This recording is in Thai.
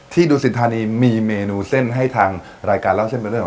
ดูสิทธานีมีเมนูเส้นให้ทางรายการเล่าเส้นเป็นเรื่อง